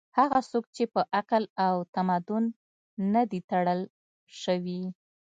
هغه څوک چې په عقل او تمدن نه دي تړل شوي